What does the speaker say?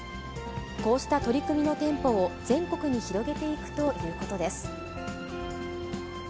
こうした取り組みの店舗を全国に広げていくということです。